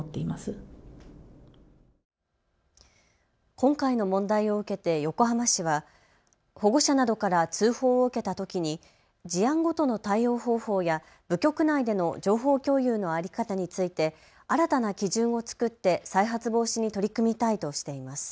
今回の問題を受けて横浜市は保護者などから通報を受けたときに事案ごとの対応方法や部局内での情報共有の在り方について新たな基準を作って再発防止に取り組みたいとしています。